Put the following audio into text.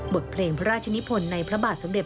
บทเพลงพระราชนิพลในพระบาทสมเด็จ